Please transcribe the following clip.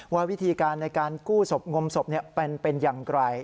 ว่าวิธีการในการกู้ศพงมศพเป็นอย่างไร